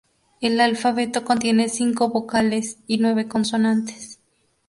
El alfabeto contiene cinco vocales y nueve consonantes.